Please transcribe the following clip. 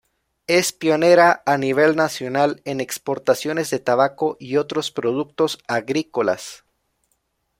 Es pionera a nivel nacional en exportaciones de tabaco y otros productos agrícolas.